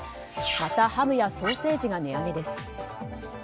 またハムやソーセージが値上げです。